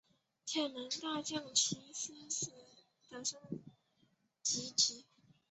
天竺大将棋狮子的升级棋。